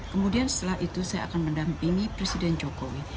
kemudian setelah itu saya akan mendampingi presiden jokowi